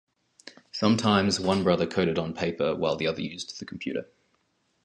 Sometimes, one brother coded on paper while the other used the computer.